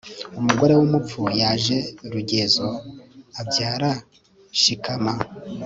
umugore w'umupfu, yaje rugezo abyara shikama